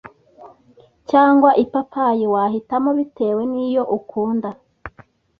cyangwa ipapayi, wahitamo bitewe n’iyo ukunda.